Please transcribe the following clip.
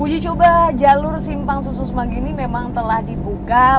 uji coba jalur simpang susun semanggi ini memang telah dibuat